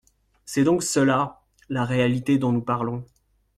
C’est donc cela, la réalité dont nous parlons.